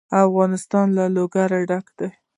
افغانستان له لوگر ډک دی.